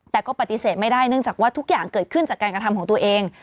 แต่ก็ปฏิเสธไม่ได้เนื่องจากว่าทุกอย่างเกิดขึ้นจากการกระทำของตัวเอง